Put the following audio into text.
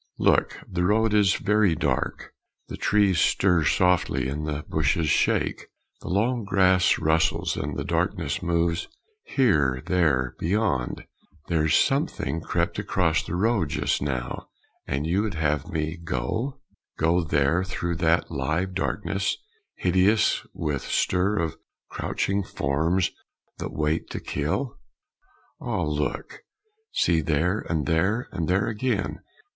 Look! the road is very dark The trees stir softly and the bushes shake, The long grass rustles, and the darkness moves Here! there! beyond ! There's something crept across the road just now! And you would have me go ? Go there, through that live darkness, hideous With stir of crouching forms that wait to kill? Ah, look! See there! and there! and there again!